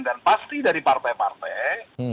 dan pasti dari partai partai